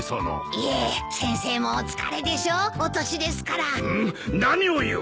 いえ先生もお疲れでしょうお年ですから。何を言う！